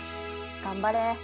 頑張れ。